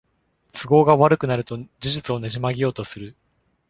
都合が悪くなると事実をねじ曲げようとする